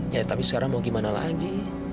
ya tapi sekarang mau gimana lagi